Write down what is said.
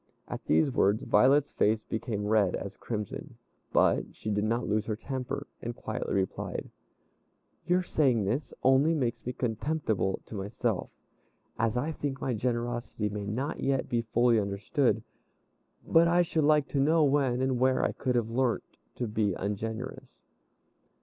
At these words Violet's face became red as crimson, but she did not lose her temper, and quietly replied: "Your saying this only makes me contemptible to myself, as I think my generosity may not yet be fully understood; but I should like to know when and where I could have learnt to be ungenerous."